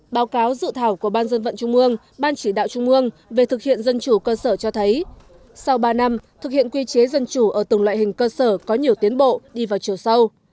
báo cáo dự thảo của ban dân vận trung ương ban chỉ đạo trung ương về thực hiện dân chủ cơ sở cho thấy sau ba năm thực hiện quy chế dân chủ ở từng loại hình cơ sở có nhiều tiến bộ đi vào chiều sâu